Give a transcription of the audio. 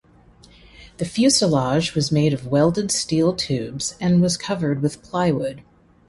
The fuselage was made of welded steel tubes and was covered with plywood.